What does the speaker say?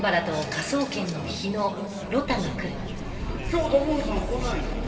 今日土門さん来ないの？